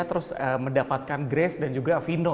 terus mendapatkan grace dan juga vino